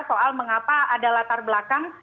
soal mengapa ada latar belakang